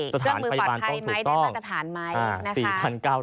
สถานพยาบาลต้องถูกต้อง